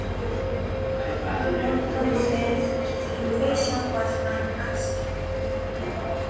Moulton says his innovation was an accident.